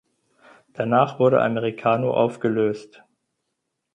Danach wurde Americano aufgelöst.